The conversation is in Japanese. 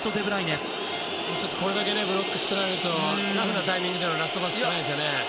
これだけブロックを作られるとラフなタイミングでラストパスしかないですね。